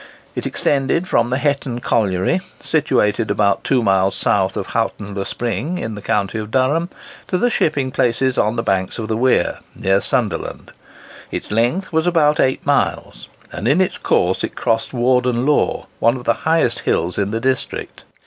It extended from the Hetton Colliery, situated about two miles south of Houghton le Spring, in the county of Durham, to the shipping places on the banks of the Wear, near Sunderland. Its length was about eight miles; and in its course it crossed Warden Law, one of the highest hills in the district.